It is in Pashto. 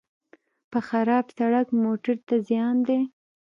په خراب سړک موټر ته زیان دی.